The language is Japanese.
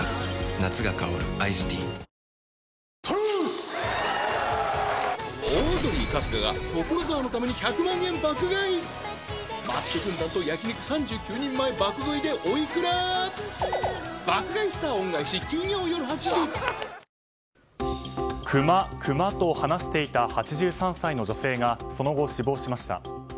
夏が香るアイスティークマ、クマと話していた８３歳の女性がその後、死亡しました。